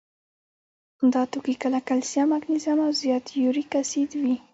دا توکي کله کلسیم، مګنیزیم او زیات یوریک اسید وي.